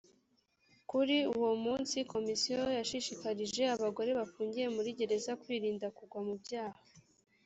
kuri uwo munsi komisiyo yashishikarije abagore bafungiye muri gereza kwirinda kugwa mu byaha